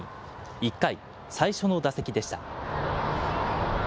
１回、最初の打席でした。